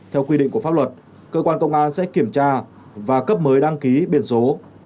theo quy định của pháp luật cơ quan công an sẽ kiểm tra và cấp mới đăng ký biển số